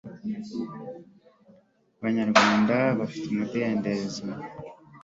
abanyarwanda bafite umudendezo